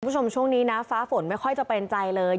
คุณผู้ชมช่วงนี้นะฟ้าฝนไม่ค่อยจะเป็นใจเลย